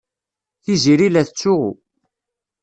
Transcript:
Tiziri la tettsuɣu.